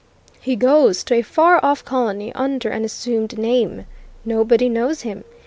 He goes to a far off colony under an assumed name. Nobody knows him.